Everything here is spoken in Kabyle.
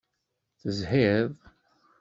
Tezhiḍ?